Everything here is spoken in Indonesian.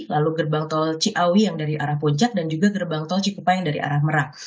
lalu gerbang tol ciawi yang dari arah puncak dan juga gerbang tol cikupang dari arah merak